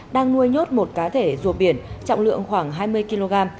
đang nuôi nhốt một cá thể rùa biển trọng lượng khoảng hai mươi kg